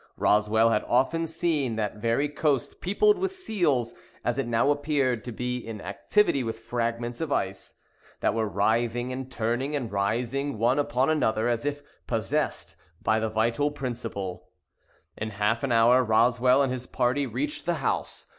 Roswell had often seen that very coast peopled with seals, as it now appeared to be in activity with fragments of ice, that were writhing and turning, and rising, one upon another, as if possessed of the vital principle. In half an hour Roswell and his party reached the house.